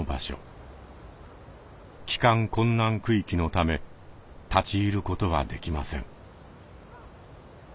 帰還困難区域のため立ち入ることはできません。